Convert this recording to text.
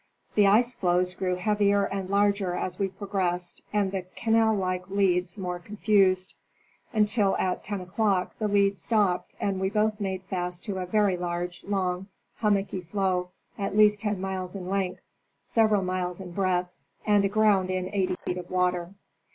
The ice floes grew heavier and larger as we progressed and the canal like leads more confused, until at 10 o'clock the lead stopped and we both made fast to a very large, long, hummocky floe, at least ten miles in length, several miles in breadth, and aground in 80 feet of water.